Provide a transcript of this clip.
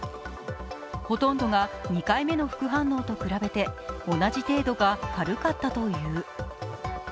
ほとんどが２回目の副反応と比べて同じ程度か軽かったという。